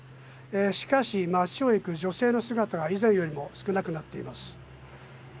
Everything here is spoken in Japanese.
しかし、街を行く女性の姿が以前よりも少なくなっています。